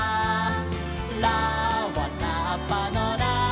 「『ラ』はラッパのラ」